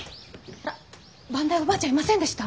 番台おばあちゃんいませんでした？